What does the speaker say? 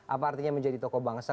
apa artinya menjadi tokoh bangsa